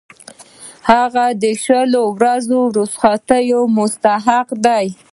هغه د شلو ورځو رخصتۍ مستحق دی.